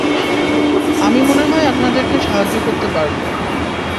আমি মনে হয় আপনাদেরকে সাহায্য করতে পারবো।